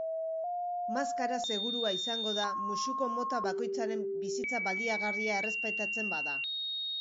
Maskara segurua izango da musuko mota bakoitzaren bizitza baliagarria errespetatzen bada.